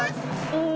うん。